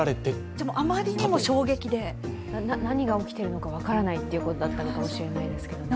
でも、あまりにも衝撃で何が起きているのか分からないということだったのかもしれないですけどね。